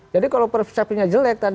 jadi kalau persepsinya jelek